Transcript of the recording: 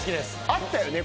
会ったよね？